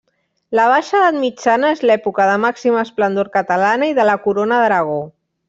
La baixa Edat Mitjana és l'època de màxima esplendor catalana i de la corona d'Aragó.